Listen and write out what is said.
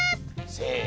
せの。